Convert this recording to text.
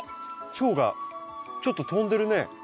チョウがちょっと飛んでるね。